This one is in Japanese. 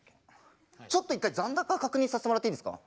ちょっと一回残高確認させてもらっていいですか？